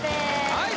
はい